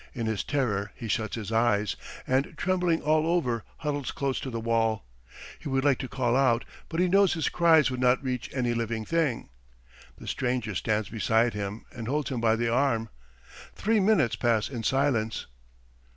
In his terror he shuts his eyes, and trembling all over huddles close to the wall. He would like to call out, but he knows his cries would not reach any living thing. The stranger stands beside him and holds him by the arm. ... Three minutes pass in silence.